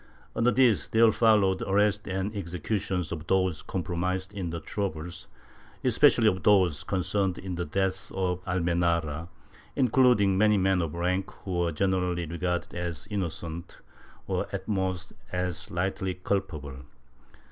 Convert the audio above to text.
Under this there followed arrests and executions of those compromised in the troubles, especially of those concerned in the death of Almenara, including many men of rank, who were generally regarded as innocent, or at most as lightly culpable.